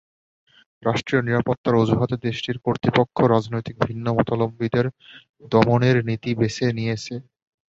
রাষ্ট্রীয় নিরাপত্তার অজুহাতে দেশটির কর্তৃপক্ষ রাজনৈতিক ভিন্নমতাবলম্বীদের দমনের নীতি বেছে নিয়েছে।